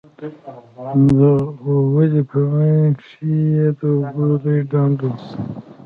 د غولي په منځ کښې يې د اوبو لوى ډنډ و.